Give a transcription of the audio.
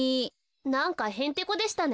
なんかへんてこでしたね。